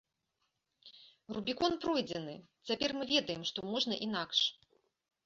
Рубікон пройдзены, цяпер мы ведаем, што можна інакш.